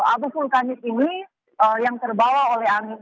abu vulkanis ini yang terbawa oleh angin